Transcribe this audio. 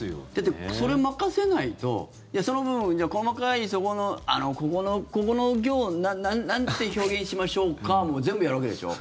それ任せないとその分、細かいここの行なんて表現しましょうか？も全部やるわけでしょ。